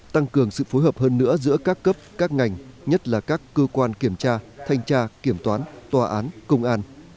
tăng cường sự phối hợp hơn nữa giữa các cấp các ngành nhất là các cơ quan kiểm tra thanh tra kiểm toán tòa án công an